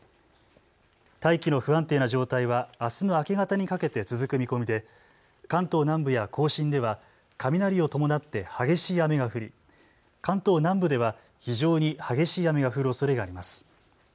大気の不安定な状態はあすの明け方にかけて続く見込みで関東南部や甲信では雷を伴って激しい雨が降り関東南部では非常に激しい雨が降るおそれがあります。